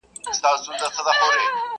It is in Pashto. o خپل مال بزگر ته پرېږده، پر خداى ئې وسپاره.